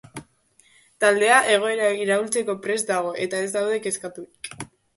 Taldea egoera iraultzeko prest dago, eta ez gaude kezkaturik.